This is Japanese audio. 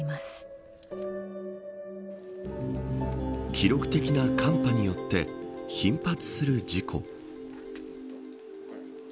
記録的な寒波によって頻発する事故。